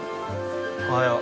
おはよう。